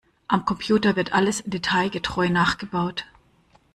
Am Computer wird alles detailgetreu nachgebaut.